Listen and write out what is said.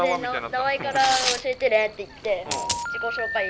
名前から教えてねって言って自己紹介やら何やらして。